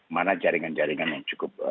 mana jaringan jaringan yang cukup